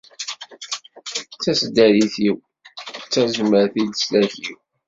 D taseddarit-iw, d tazmert n leslak-iw.